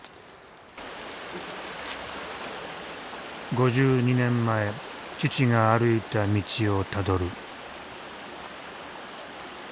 ５２年前父が歩いた道をたどる。